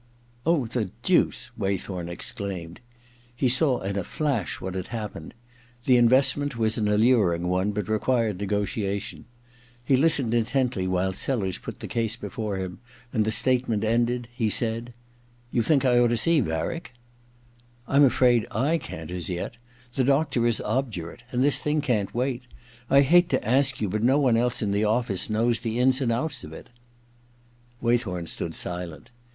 Oh, the deuce !' Waythorn exclaimed. He saw in a flash what had happened. The in vestment was an alluring one, but required 54 Ill THE OTHER TWO 55 n^otiation. He listened quietly while Sellers put the case before him, and, the statement ended, he said :* You think I ought to see Varick ?* *rm afraid I can't as yet. The doctor is obdurate. And this thing can't wait. I hate to ask. you, but no one else in the office knows the ins and outs of it* Waythorn stood silent.